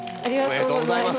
おめでとうございます。